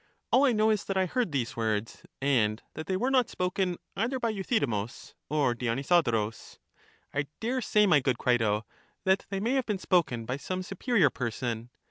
All I know is that I heard these words, and that they were not spoken either by Euthydemus or Dionysodorus. I dare say, my good Crito, that they may have been spoken by some superior person.